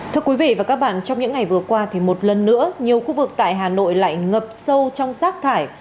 thưa quý vị và các bạn trong những ngày vừa qua thì một lần nữa nhiều khu vực tại hà nội lại ngập sâu trong rác thải